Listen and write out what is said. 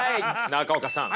中岡さん。